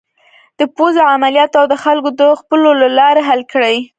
د پوځې عملیاتو او د خلکو د ځپلو له لارې حل کړي.